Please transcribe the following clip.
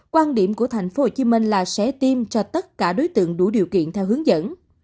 quan điểm của tp hcm là sẽ tiêm cho tất cả đối tượng đủ điều kiện theo hướng dẫn